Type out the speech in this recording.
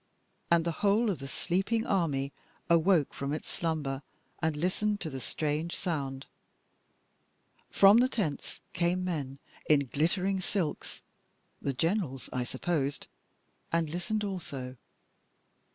And the whole of the sleeping army awoke from its slumber and listened to the strange sound. From the tents came men in glittering silks (the Generals, I supposed) and listened also.